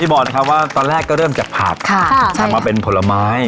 พี่บอกนะคะว่าตอนแรกก็เริ่มจากผัดค่ะใช่ค่ะถามว่าเป็นผลไม้